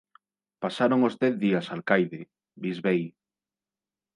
Pasaron os dez días, alcaide −bisbei.